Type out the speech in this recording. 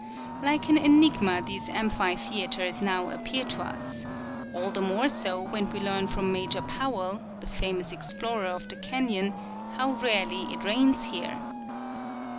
Like ail enigma these amphitheaters now appear to us ; all the more so when we learn from ^Nlajor Powell, the famous explorer of the canyon, how rarely it rains here.